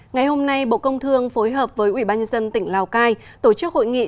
ngày hôm nay bộ công thương phối hợp với ủy ban nhân dân tỉnh lào cai tổ chức hội nghị